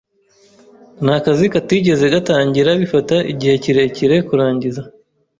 Nakazi katigeze gatangira bifata igihe kirekire kurangiza.